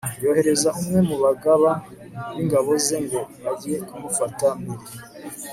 yohereza umwe mu bagaba b'ingabo ze ngo ajye kumufata mpiri